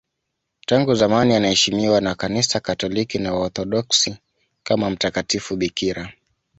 Tangu zamani anaheshimiwa na Kanisa Katoliki na Waorthodoksi kama mtakatifu bikira.